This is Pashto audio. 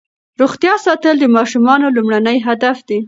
روغتیا ساتل د ماشومانو لومړنی هدف دی.